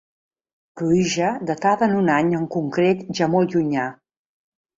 Pruïja datada en un any en concret, ja molt llunyà.